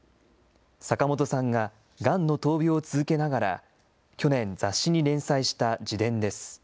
坂本さんががんの闘病を続けながら、去年、雑誌に連載した自伝です。